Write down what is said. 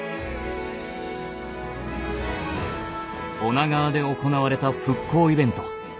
女川で行われた復興イベント。